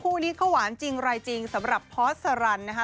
คู่นี้เขาหวานจริงรายจริงสำหรับพอสรันนะคะ